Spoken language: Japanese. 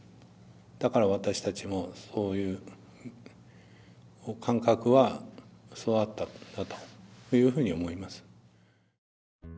だから私たちもそういう感覚は育ったんだというふうに思います。